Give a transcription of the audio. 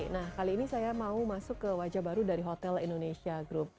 nah kali ini saya mau masuk ke wajah baru dari hotel indonesia group